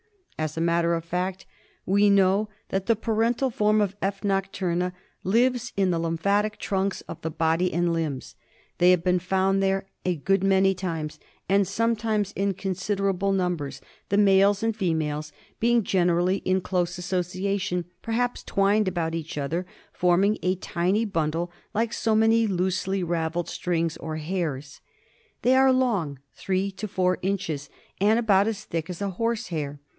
As a matter of fact we know that the parental form of F, noctwna lives in the lymphatic trunks of the body andTimBs. They have been found there a good many times, and sometimes in considerable numbers, the males and females being generally in close association, perhaps twined about each other, forming a tiny bundle like so many loosely ravelled strings or hairs. They are long — three to four inches — and about as thick as a horse hair.